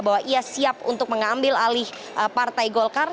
bahwa ia siap untuk mengambil alih partai golkar